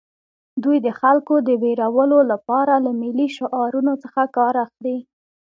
دوی د خلکو د ویرولو لپاره له ملي شعارونو څخه کار اخلي